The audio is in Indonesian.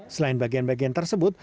selain bagian bagian tersebut